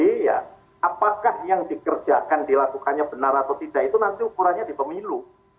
jadi ya apakah yang dikerjakan dilakukannya benar atau tidak itu nanti ukurannya di pemilu